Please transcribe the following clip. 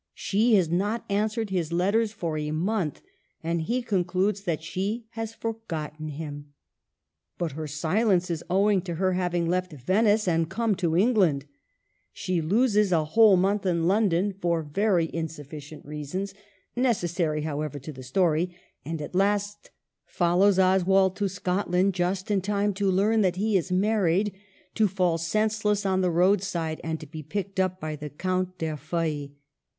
She has not answered his letters for a month, and he concludes that she has forgotten him. But her silence is owing to her having left Venice and come to England. She loses a whole month in London, for very in sufficient reasons — necessary, however, to the story — and at last follows Oswald to Scotland just in time to learn that he is married, to fall senseless on the road side, and to be picked up by the Count D'Erfeuil.